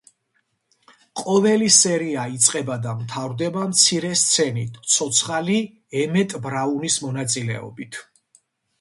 ყოველი სერია იწყება და მთავრდება მცირე სცენით „ცოცხალი“ ემეტ ბრაუნის მონაწილეობით.